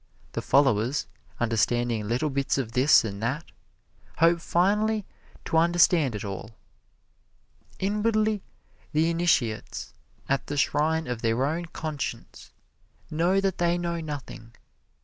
The followers, understanding little bits of this and that, hope finally to understand it all. Inwardly the initiates at the shrine of their own conscience know that they know nothing.